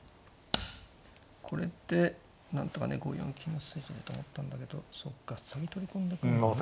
これでなんとかね５四金の筋と思ったんだけどそうか先取り込んどくんだね。